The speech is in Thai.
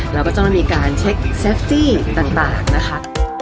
เราก็จะมีการเช็คเซฟตี้ต่างนะคะ